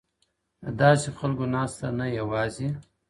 د داسي خلکو ناسته نه یوازي